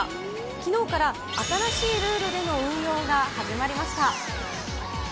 きのうから新しいルールでの運用が始まりました。